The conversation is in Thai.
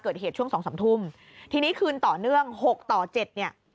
เกิดเหตุช่วง๒๓ทุ่มทีนี้คืนต่อเนื่อง๖๗นี่